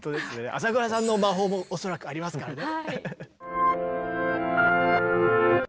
浅倉さんの魔法も恐らくありますからね。